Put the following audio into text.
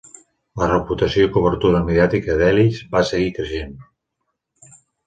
La reputació i cobertura mediàtica d'Ellis va seguir creixent.